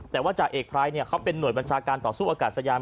แต่ว่าจ่าเอกภัยเขาเป็นหน่วยบัญชาการต่อสู้อากาศยาน